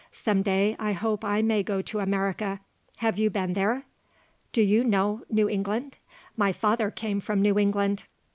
Some day I hope I may go to America. Have you been there? Do you know New England? My father came from New England."